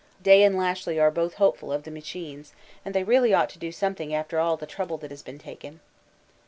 Day and Lashly are both hopeful of the machines, and they really ought to do something after all the trouble that has been taken.